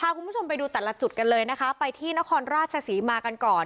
คุณผู้ชมไปดูแต่ละจุดกันเลยนะคะไปที่นครราชศรีมากันก่อน